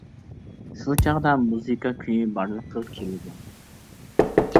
شۇ چاغدا مۇزىكا كۈيى بارلىققا كېلىدۇ.